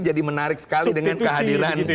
jadi menarik sekali dengan kehadiran